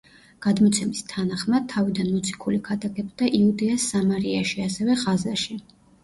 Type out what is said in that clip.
გადმოცემის თანახმად თავიდან მოციქული ქადაგებდა იუდეას სამარიაში, ასევე ღაზაში.